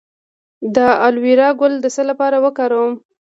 د الوویرا ګل د څه لپاره وکاروم؟